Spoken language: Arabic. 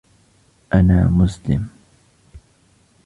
أنا مسلم.